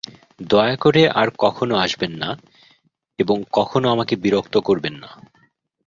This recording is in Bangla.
দয়া করে আর কখনো আসবেন না এবং কখনো আমাকে বিরক্ত করবেন না।